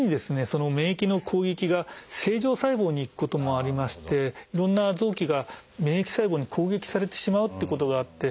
その免疫の攻撃が正常細胞にいくこともありましていろんな臓器が免疫細胞に攻撃されてしまうっていうことがあって。